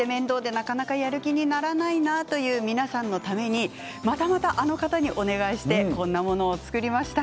なかなかやる気になれないなという皆さんのためにまたまたあの方にお願いしてこんなものを作りました。